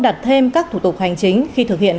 đặt thêm các thủ tục hành chính khi thực hiện